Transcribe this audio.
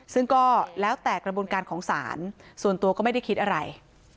ซึ่งก็แล้วแต่กระบวนการของศาลส่วนตัวก็ไม่ได้คิดอะไร